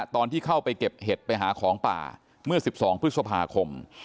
ตอนที่เข้าไปเก็บเห็ดไปหาของป่าเมื่อ๑๒พฤษภาคม